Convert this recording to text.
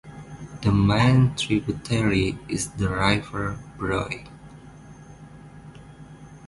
The main tributary is the river Broye.